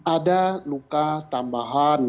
ada luka tambahan